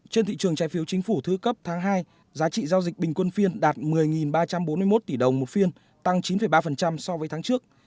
trên thị trường trái phiếu chính phủ thứ cấp tháng hai giá trị giao dịch bình quân phiên đạt một mươi ba trăm bốn mươi một tỷ đồng một phiên tăng chín ba so với tháng trước